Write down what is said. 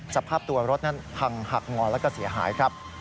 สภาพตัวรถนั้นพังหักงอนแล้วก็เสียหายครับ